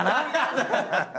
ハハハハ！